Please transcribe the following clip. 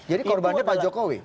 jadi korbannya pak jokowi